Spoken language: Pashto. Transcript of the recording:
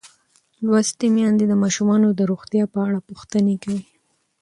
لوستې میندې د ماشومانو د روغتیا په اړه پوښتنې کوي.